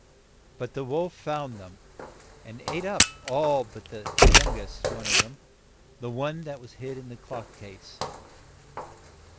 But the wolf found them, and ate up all but the young est one of them, — the one that was hid in the clock case.